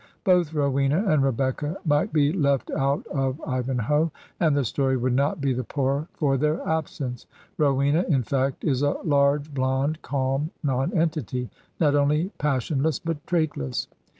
Both Rowena and Rebecca might be left out of *' Ivanhoe/' and the story would not be the poorer for their absence. Rowena, in fact, is a large, blond, calm nonentity, not only pas sionless, but traitless.